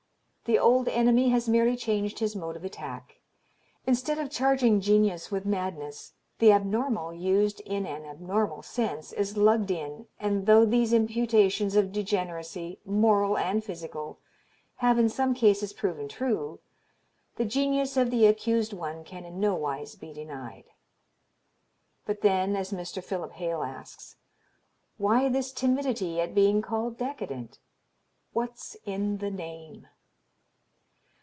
The old enemy has merely changed his mode of attack: instead of charging genius with madness, the abnormal used in an abnormal sense is lugged in and though these imputations of degeneracy, moral and physical, have in some cases proven true, the genius of the accused one can in no wise be denied. But then as Mr. Philip Hale asks: Why this timidity at being called decadent? What's in the name?